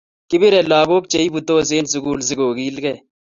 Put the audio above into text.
Kipire lakok che iputos en sukul si kokil kee